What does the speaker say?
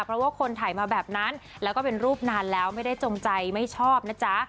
เพราะว่าคนถ่ายมาแบบนั้นแล้วก็เป็นรูปนานแล้วไม่ได้จงใจไม่ชอบนะจ๊ะ